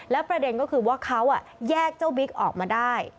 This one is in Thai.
แล้วประเด็นก็คือว่าเขาแยกเจ้าบิ๊กออกมาได้